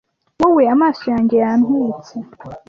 wowe amaso yanjye yantwitse